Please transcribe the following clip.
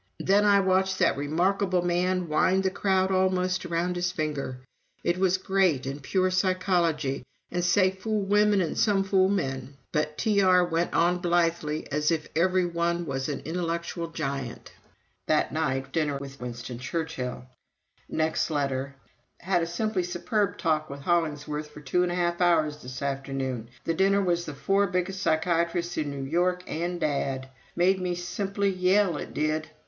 "Then I watched that remarkable man wind the crowd almost around his finger. It was great, and pure psychology; and say, fool women and some fool men; but T.R. went on blithely as if every one was an intellectual giant." That night a dinner with Winston Churchill. Next letter: "Had a simply superb talk with Hollingworth for two and a half hours this afternoon. ... The dinner was the four biggest psychiatrists in New York and Dad. Made me simply yell, it did.